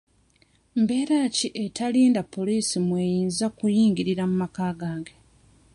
Mbeera ki etalinda poliisi mw'eyinza okuyingirira mu maka gange?